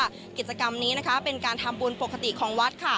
กิจกรรมนี้นะคะเป็นการทำบุญปกติของวัด